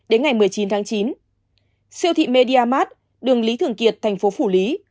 đến ngày một mươi chín tháng chín siêu thị media mart đường lý thường kiệt thành phố phủ lý